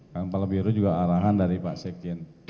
kepala biru juga arahan dari pak sekin